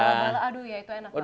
bala aduh ya itu enak banget